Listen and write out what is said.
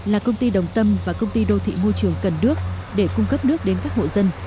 là công ty đồng tâm và công ty đô thị môi trường cần đước để cung cấp nước đến các hộ dân